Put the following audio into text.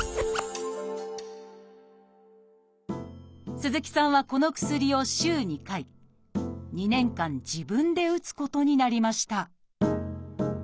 鈴木さんはこの薬を週２回２年間自分で打つことになりました